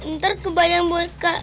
ntar kebanyakan boneka